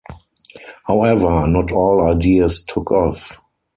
However, not all ideas took off.